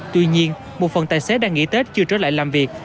tuy nhiên một phần tài xế đang nghỉ tết chưa trở lại làm việc